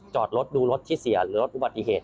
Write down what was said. จอดรถดูรถที่เสียหรือลดอุบัติเหตุ